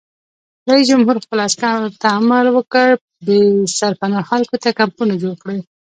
رئیس جمهور خپلو عسکرو ته امر وکړ؛ بې سرپناه خلکو ته کمپونه جوړ کړئ!